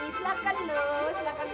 silahkan loh silahkan mas